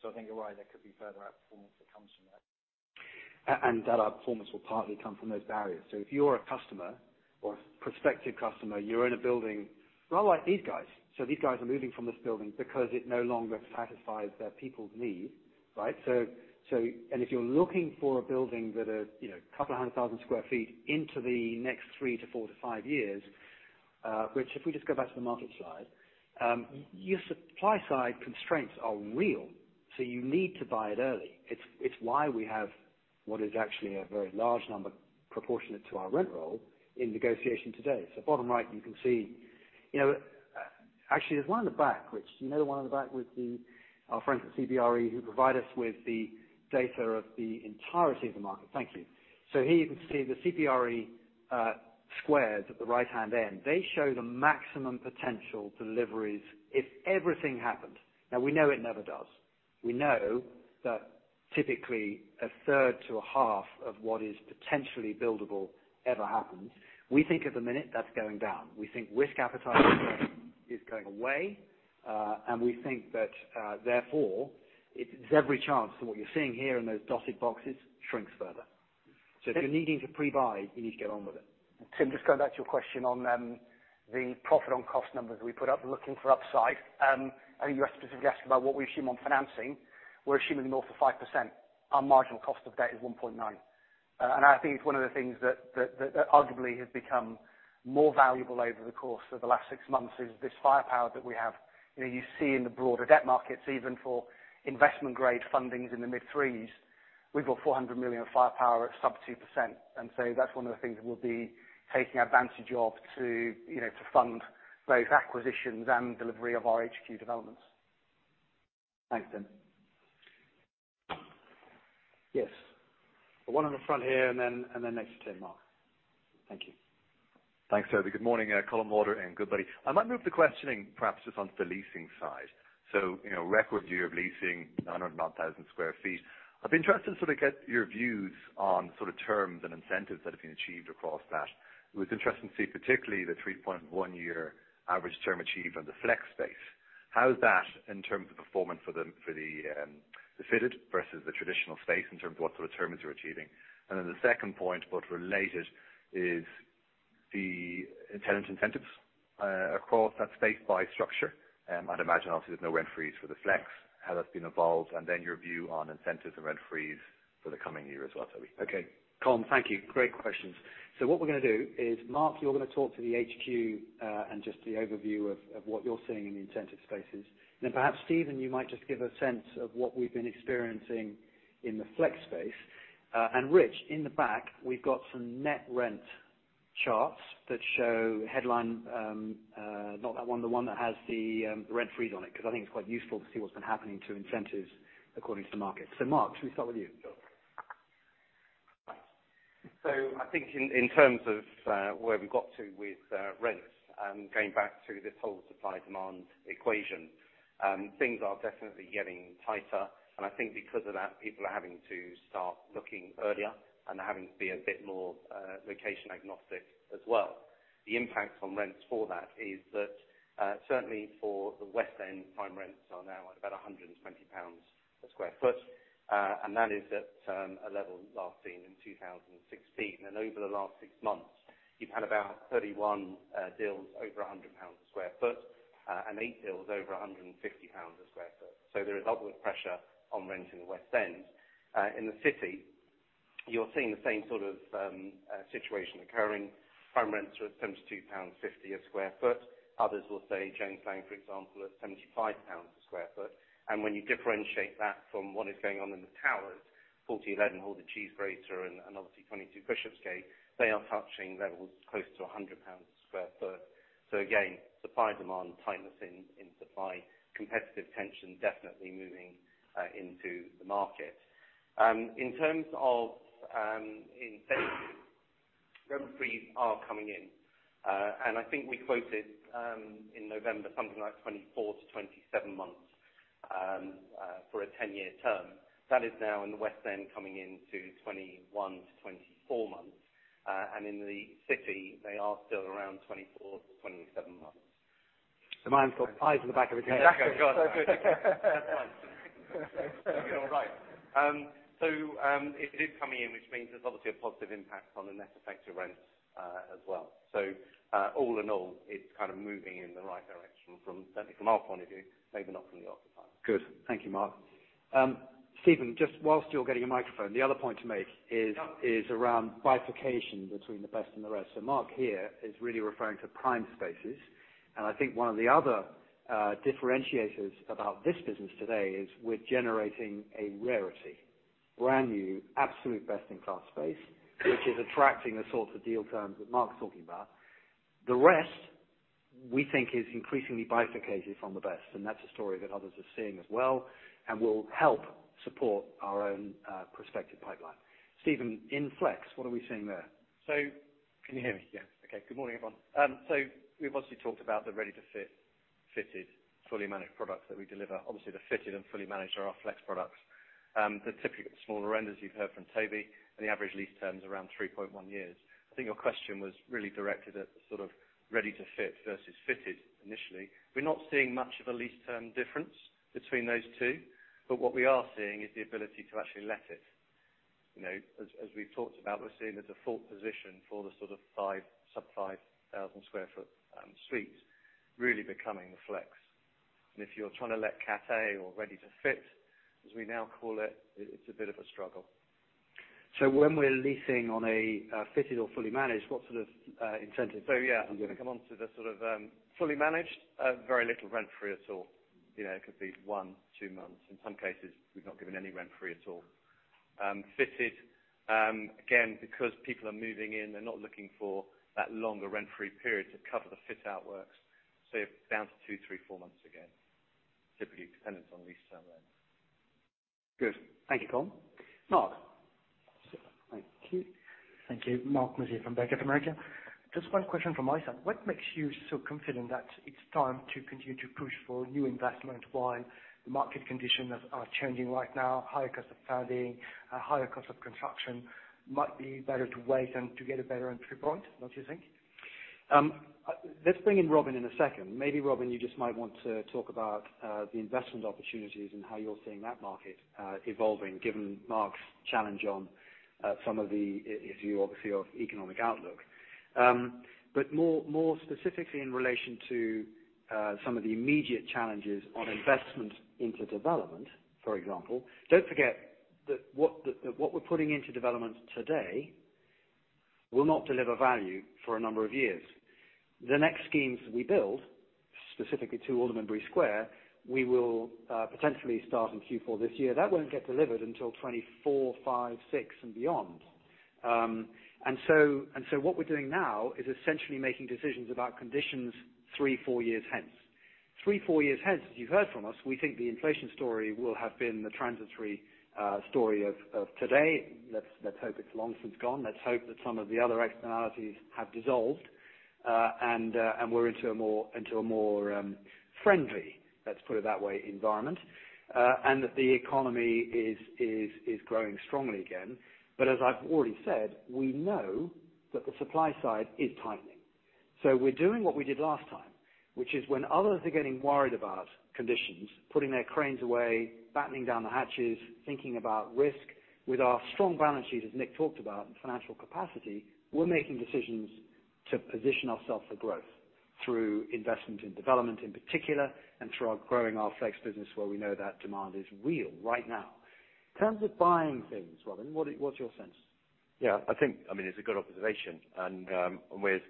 ERV. I think you're right, there could be further outperformance that comes from that. Our performance will partly come from those barriers. If you're a customer or prospective customer, you're in a building rather like these guys. These guys are moving from this building because it no longer satisfies their people's needs, right? If you're looking for a building that, you know, a couple hundred thousand sq ft into the next 3-5 years, which if we just go back to the market slide, your supply side constraints are real, so you need to buy it early. It's why we have what is actually a very large number proportionate to our rent roll in negotiation today. Bottom right, you can see. You know, actually, there's one in the back which, you know, the one in the back with the, our friends at CBRE, who provide us with the data of the entirety of the market. Thank you. Here you can see the CBRE squares at the right-hand end. They show the maximum potential deliveries if everything happened. Now, we know it never does. We know that typically a third to a half of what is potentially buildable ever happens. We think at the minute that's going down. We think risk appetite is going away, and we think that, therefore, it's every chance that what you're seeing here in those dotted boxes shrinks further. If you're needing to pre-buy, you need to get on with it. Tim, just going back to your question on the profit on cost numbers we put up, looking for upside. You asked a specific question about what we assume on financing. We're assuming more for 5%. Our marginal cost of debt is 1.9%. I think it's one of the things that arguably has become more valuable over the course of the last six months, is this firepower that we have. You know, you see in the broader debt markets, even for investment grade fundings in the mid-3s, we've got 400 million of firepower at sub-2%. That's one of the things that we'll be taking advantage of to, you know, to fund both acquisitions and delivery of our HQ developments. Thanks, Tim. Yes. The one on the front here and then next to Marc. Thank you. Thanks, Toby. Good morning, Colm Sheridan in Goodbody. I might move the questioning, perhaps just onto the leasing side. You know, record year of leasing, 900 and odd thousand sq ft. I'd be interested to sort of get your views on sort of terms and incentives that have been achieved across that. It was interesting to see particularly the 3.1-year average term achieved on the Flex space. How's that in terms of performance for the fitted versus the traditional space in terms of what sort of terms you're achieving? And then the second point, but related, is the tenant incentives across that space by structure. I'd imagine obviously there's no rent freeze for the Flex. How that's been evolved, and then your view on incentives and rent freeze for the coming year as well, Toby. Okay. Colm, thank you. Great questions. What we're gonna do is, Marc, you're gonna talk to the HQ and just the overview of what you're seeing in the incentive spaces. Perhaps Steven, you might just give a sense of what we've been experiencing in the Flex space. And Rich, in the back, we've got some net rent charts that show headline, not that one, the one that has the rent-free on it. 'Cause I think it's quite useful to see what's been happening to incentives according to market. Mark, should we start with you? Sure. I think in terms of where we got to with rents and going back to this whole supply/demand equation, things are definitely getting tighter. I think because of that, people are having to start looking earlier, and they're having to be a bit more location agnostic as well. The impact on rents for that is that certainly for the West End, prime rents are now at about 120 pounds per sq ft. That is at a level last seen in 2016. Over the last 6 months, you've had about 31 deals over 100 pounds per sq ft, and 8 deals over 150 pounds per sq ft. There is upward pressure on rents in the West End. In the City, you're seeing the same sort of situation occurring. Prime rents are at 72.50 pounds/sq ft. Others will say, Jones Lang LaSalle, for example, at 75 pounds/sq ft. When you differentiate that from what is going on in the towers, 40 Eleven or the Cheese Grater and obviously 22 Bishopsgate, they are touching levels close to 100 pounds/sq ft. Again, supply/demand tightness in supply, competitive tension definitely moving into the market. In terms of incentives, rent frees are coming in. I think we quoted in November, something like 24-27 months for a 10-year term. That is now in the West End coming into 21-24 months. In the City, they are still around 24-27 months. Mine's got eyes in the back of his head. Exactly. That's right. It is coming in which means there's obviously a positive impact on the net effect of rents, as well. All in all, it's kind of moving in the right direction, certainly from our point of view, maybe not from the occupier. Good. Thank you, Mark. Steven, just while you're getting a microphone, the other point to make is around bifurcation between the best and the rest. Mark here is really referring to prime spaces. I think one of the other differentiators about this business today is we're generating a rarity. Brand-new, absolute best-in-class space, which is attracting the sorts of deal terms that Mark's talking about. The rest, we think is increasingly bifurcated from the best, and that's a story that others are seeing as well, and will help support our own prospective pipeline. Steven, in Flex, what are we seeing there? Can you hear me? Yeah. Okay. Good morning, everyone. We've obviously talked about the ready-to-fit, fitted, Fully Managed products that we deliver. Obviously, the fitted and Fully Managed are our Flex products. They're typically smaller renders you've heard from Toby, and the average lease term is around 3.1 years. I think your question was really directed at the sort of ready to fit versus fitted initially. We're not seeing much of a lease term difference between those two, but what we are seeing is the ability to actually let it. You know, as we've talked about, we're seeing the default position for the sort of 5, sub-5,000 sq ft suites really becoming the Flex. If you're trying to let Cat A or ready to fit, as we now call it's a bit of a struggle. When we're leasing on a fitted or Fully Managed, what sort of incentive- I'm gonna come on to the sort of, Fully Managed. Very little rent-free at all. You know, it could be 1, 2 months. In some cases, we've not given any rent-free at all. Fitted, again, because people are moving in, they're not looking for that longer rent-free period to cover the fit-out works. You're down to 2, 3, 4 months again. Typically dependent on lease term length. Good. Thank you, Colm. Marc. Thank you. Thank you. Marc Mozur from Bank of America. Just one question from my side. What makes you so confident that it's time to continue to push for new investment while the market conditions are changing right now? Higher cost of funding, a higher cost of construction. Might be better to wait than to get a better entry point. Don't you think? Let's bring in Robin in a second. Maybe Robin, you just might want to talk about the investment opportunities and how you're seeing that market evolving, given Marc's challenge on some of his view, obviously, of economic outlook. More specifically in relation to some of the immediate challenges on investment into development, for example. Don't forget that what we're putting into development today will not deliver value for a number of years. The next schemes we build, specifically to Aldermanbury Square, we will potentially start in Q4 this year. That won't get delivered until 2024, 2025, 2026, and beyond. What we're doing now is essentially making decisions about conditions 3, 4 years hence. 3-4 years hence, as you've heard from us, we think the inflation story will have been the transitory story of today. Let's hope it's long since gone. Let's hope that some of the other externalities have dissolved. We're into a more friendly, let's put it that way, environment. The economy is growing strongly again. As I've already said, we know that the supply side is tightening. We're doing what we did last time, which is when others are getting worried about conditions, putting their cranes away, battening down the hatches, thinking about risk. With our strong balance sheet, as Nick talked about, and financial capacity, we're making decisions to position ourselves for growth through investment in development in particular, and through our growing Flex business where we know that demand is real right now. In terms of buying things, Robin, what's your sense? Yeah, I think, I mean, it's a good observation, and we're,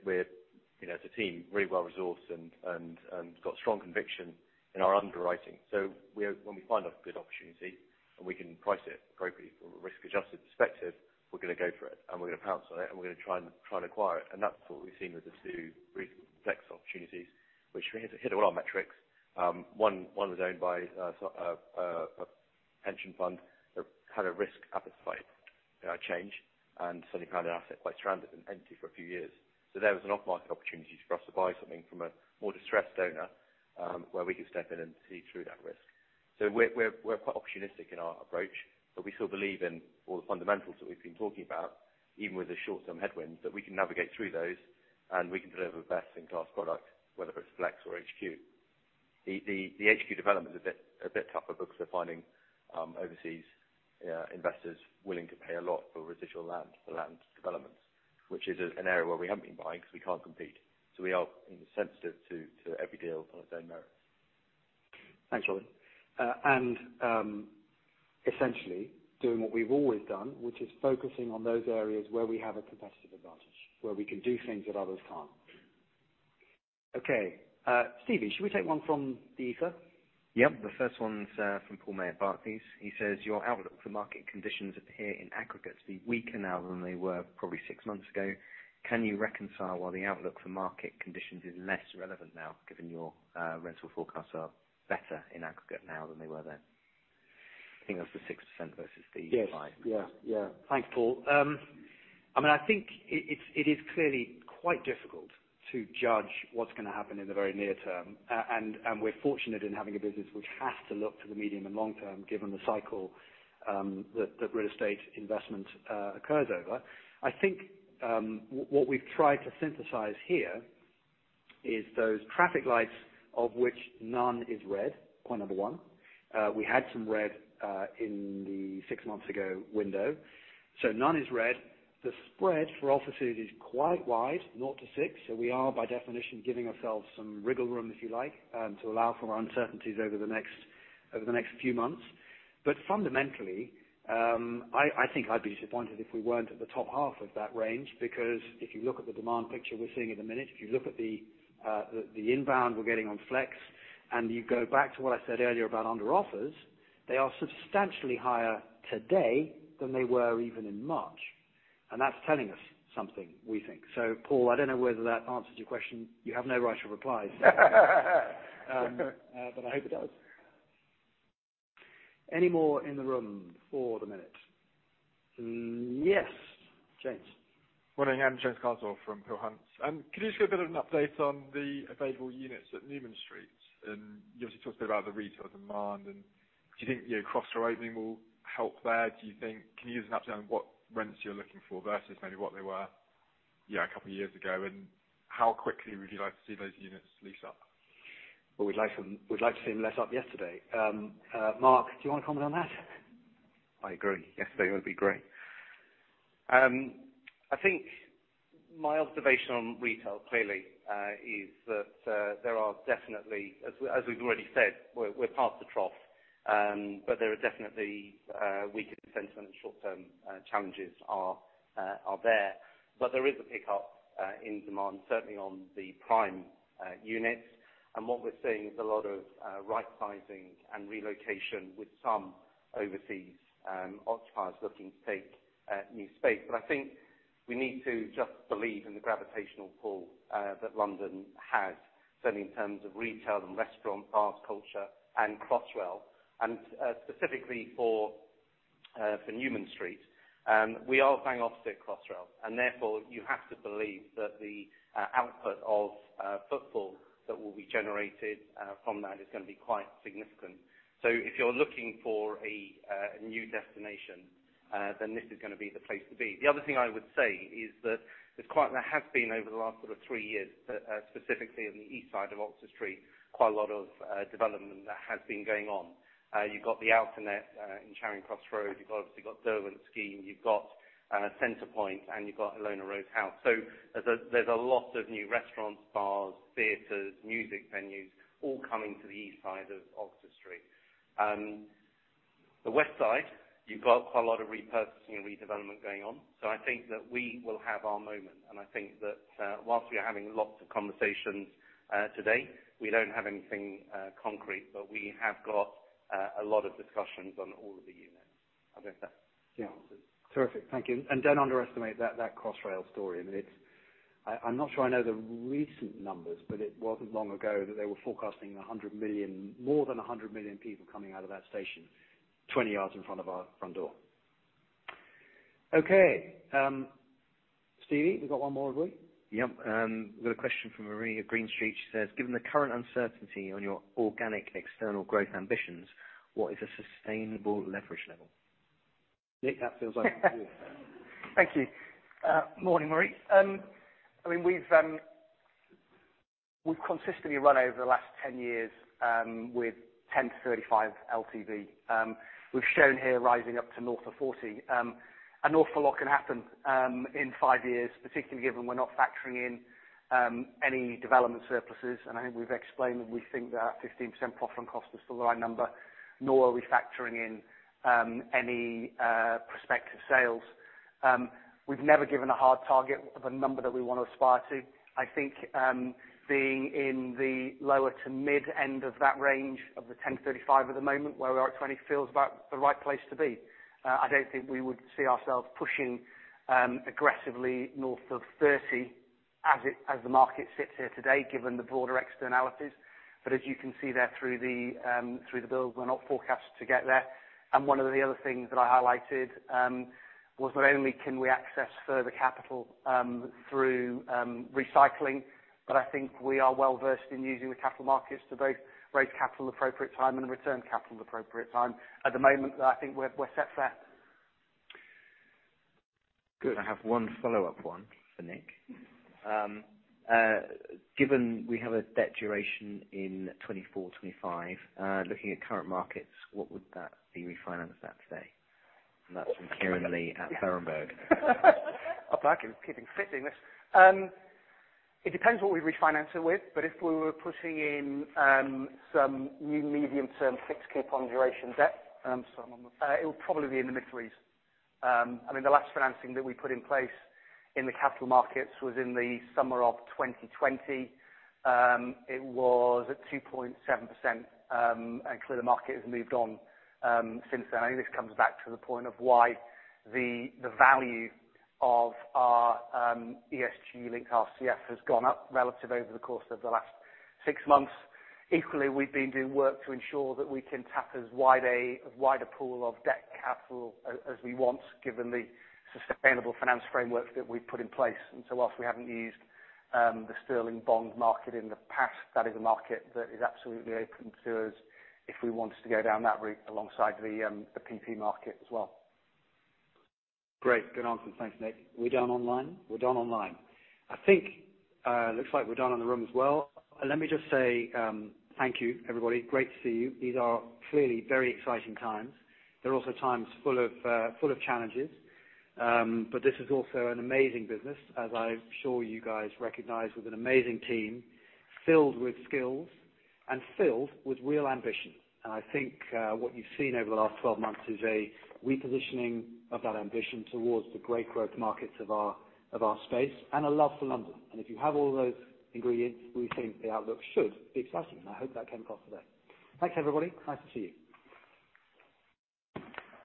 you know, as a team, really well-resourced and got strong conviction in our underwriting. So we're when we find a good opportunity and we can price it appropriately from a risk-adjusted perspective, we're gonna go for it, and we're gonna pounce on it, and we're gonna try and acquire it. That's what we've seen with the two recent Flex opportunities, which hit all our metrics. One was owned by a pension fund that had a risk appetite change, and suddenly found an asset quite stranded and empty for a few years. There was an off-market opportunity for us to buy something from a more distressed owner, where we could step in and see through that risk. We're quite opportunistic in our approach, but we still believe in all the fundamentals that we've been talking about, even with the short-term headwinds that we can navigate through those, and we can deliver a best-in-class product, whether it's Flex or HQ. The HQ development is a bit tougher because we're finding overseas investors willing to pay a lot for residual land, for land developments, which is an area where we haven't been buying because we can't compete. We are sensitive to every deal on its own merits. Thanks, Robin. Essentially doing what we've always done, which is focusing on those areas where we have a competitive advantage, where we can do things that others can't. Okay. Stevie, should we take one from the ether? Yep. The first one's from Paul May at Barclays. He says, "Your outlook for market conditions appear in aggregate to be weaker now than they were probably six months ago. Can you reconcile why the outlook for market conditions is less relevant now, given your rental forecasts are better in aggregate now than they were then?" I think that's the 6% versus the 5. Yes. Yeah, yeah. Thanks, Paul. I mean, I think it is clearly quite difficult to judge what's gonna happen in the very near term. We're fortunate in having a business which has to look to the medium and long term, given the cycle that real estate investment occurs over. I think what we've tried to synthesize here is those traffic lights of which none is red, point number one. We had some red in the six months ago window. None is red. The spread for offices is quite wide, 0-6, so we are by definition giving ourselves some wriggle room, if you like, to allow for uncertainties over the next few months. Fundamentally, I think I'd be disappointed if we weren't at the top half of that range, because if you look at the demand picture we're seeing at the minute, if you look at the inbound we're getting on flex, and you go back to what I said earlier about under offers, they are substantially higher today than they were even in March. That's telling us something, we think. Paul, I don't know whether that answers your question. You have no right to reply. I hope it does. Any more in the room for the minute? Yes, James. Morning, Andrew. James Carswell from Peel Hunt. Could you just give a bit of an update on the available units at Newman Street? You obviously talked a bit about the retail demand, and do you think, you know, Crossrail opening will help there? Can you give us an update on what rents you're looking for versus maybe what they were, yeah, a couple of years ago? How quickly would you like to see those units leased up? Well, we'd like to see them let up yesterday. Marc Mozur, do you wanna comment on that? I agree. Yesterday would be great. I think my observation on retail clearly is that there are definitely, as we've already said, we're past the trough, but there are definitely weaker sentiment short-term challenges are there. There is a pickup in demand, certainly on the prime units. What we're seeing is a lot of right sizing and relocation with some overseas occupiers looking to take new space. I think we need to just believe in the gravitational pull that London has, certainly in terms of retail and restaurant, bars, culture and Crossrail. Specifically for Newman Street, we are bang opposite Crossrail, and therefore you have to believe that the output of footfall that will be generated from that is gonna be quite significant. If you're looking for a new destination, then this is gonna be the place to be. The other thing I would say is that there has been over the last sort of three years, specifically on the east side of Oxford Street, quite a lot of development that has been going on. You've got the Outernet in Charing Cross Road. You've obviously got Derwent scheme. You've got Centre Point and you've got Ilona Rose House. There's a lot of new restaurants, bars, theaters, music venues all coming to the east side of Oxford Street. The west side, you've got quite a lot of repurposing and redevelopment going on. I think that we will have our moment and I think that while we are having lots of conversations today, we don't have anything concrete, but we have got a lot of discussions on all of the units. I think that's the answer. Terrific. Thank you. Don't underestimate that Crossrail story. I mean, it's. I'm not sure I know the recent numbers, but it wasn't long ago that they were forecasting 100 million, more than 100 million people coming out of that station 20 yards in front of our front door. Okay. Stevie, we've got one more, have we? Yep. Got a question from Marie at Green Street. She says, "Given the current uncertainty on your organic external growth ambitions, what is a sustainable leverage level? Nick, that feels like you. Thank you. Morning, Marie. We've consistently run over the last 10 years with 10-35 LTV. We've shown here rising up to north of 40. An awful lot can happen in 5 years, particularly given we're not factoring in any development surpluses. I think we've explained that we think that 15% profit and cost is still the right number, nor are we factoring in any prospective sales. We've never given a hard target of a number that we wanna aspire to. I think being in the lower to mid-end of that range of the 10-35 at the moment where we are at 20 feels about the right place to be. I don't think we would see ourselves pushing aggressively north of 30% as the market sits here today, given the broader externalities. As you can see there through the build, we're not forecast to get there. One of the other things that I highlighted was not only can we access further capital through recycling, but I think we are well-versed in using the capital markets to both raise capital appropriate time and return capital appropriate time. At the moment, I think we're set for that. Good. I have one follow-up for Nick. Given we have a debt duration in 24-25, looking at current markets, what would that be refinance at today? That's from Kieran Lee at Berenberg. I'm keeping fit in this. It depends what we refinance it with, but if we were putting in some new medium-term fixed coupon duration debt, it would probably be in the mid-threes. I mean, the last financing that we put in place in the capital markets was in the summer of 2020. It was at 2.7%, and clearly the market has moved on since then. I think this comes back to the point of why the value of our ESG-linked RCF has gone up relatively over the course of the last six months. Equally, we've been doing work to ensure that we can tap as wide a pool of debt capital as we want, given the sustainable finance framework that we've put in place. While we haven't used the sterling bond market in the past, that is a market that is absolutely open to us if we wanted to go down that route alongside the PP market as well. Great. Good answer. Thanks, Nick. We're done online. I think, looks like we're done in the room as well. Let me just say, thank you everybody. Great to see you. These are clearly very exciting times. They're also times full of challenges. This is also an amazing business, as I'm sure you guys recognize, with an amazing team filled with skills and filled with real ambition. I think, what you've seen over the last 12 months is a repositioning of that ambition towards the great growth markets of our space and a love for London. If you have all those ingredients, we think the outlook should be exciting, and I hope that came across today. Thanks, everybody. Nice to see you.